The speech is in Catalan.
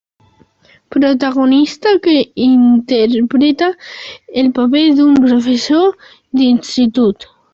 Protagonista que interpreta el paper d'un professor d'Institut.